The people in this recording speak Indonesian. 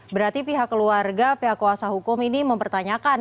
berarti pihak keluarga pihak kuasa hukum ini mempertanyakan